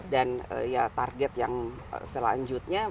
dan ya target yang selanjutnya